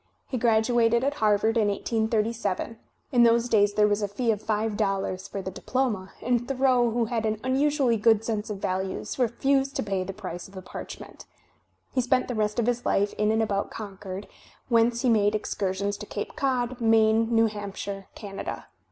He gradu ated at Harvard in 1837; in those days there was a fee of five dollars for the diploma, and Thoreau, who had an unusually good sense of values, refused to pay the price of the parchment. He spent the rest of his life in and about Con cord, whence he made excursions to Cape Cod, Maine, New Hampshire, Canada.